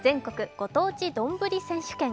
ご当地どんぶり選手権